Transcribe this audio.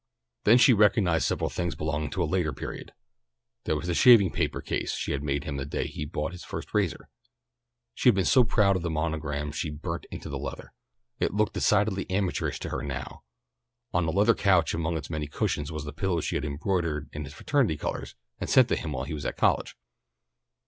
Then she recognized several things belonging to a later period. There was the shaving paper case she made him the day he bought his first razor. She had been so proud of the monogram she burnt into the leather. It looked decidedly amateurish to her now. On the leather couch among its many cushions was the pillow she had embroidered in his fraternity colours and sent to him while he was at college.